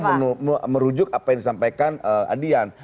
saya merujuk apa yang disampaikan adian